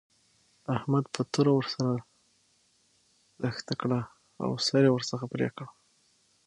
احمد په توره ور سره لښته کړه او سر يې ورڅخه پرې کړ.